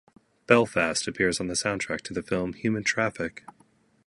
"Belfast" appears on the soundtrack to the film "Human Traffic".